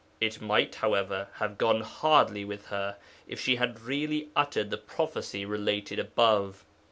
It might, however, have gone hardly with her if she had really uttered the prophecy related above.